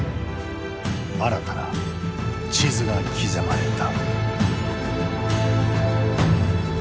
新たな地図が刻まれた。